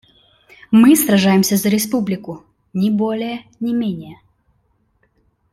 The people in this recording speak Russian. Мы сражаемся за республику, ни более, ни менее.